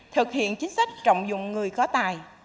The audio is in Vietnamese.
thực hiện chính sách trọng dụng người có tài